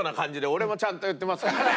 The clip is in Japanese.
俺もちゃんと言ってますからね。